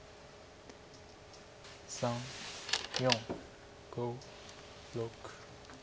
３４５６。